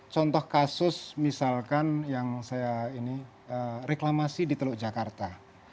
contoh kasus misalkan yang saya ini reklamasi di teluk jakarta